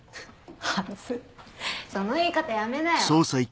恥ずっその言い方やめなよ。